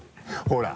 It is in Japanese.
ほら。